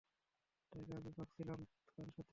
তাইলে আমি ভাগছিলাম কার সাথে?